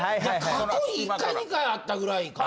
過去に１回２回あったぐらいかな。